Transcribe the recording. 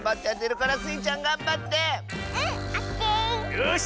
よし！